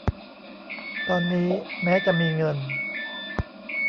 ตอนนี้ แม้จะมีเงิน